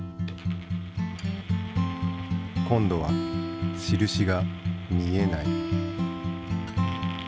今度は印が見えない。